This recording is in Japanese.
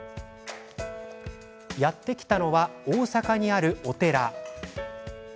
やって来たのは大阪にあるお寺。